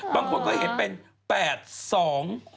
บางคนก็เห็นเป็น๘